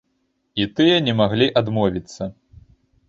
І тыя не маглі адмовіцца.